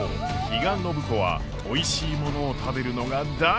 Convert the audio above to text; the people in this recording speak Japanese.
比嘉暢子はおいしいものを食べるのが大好き！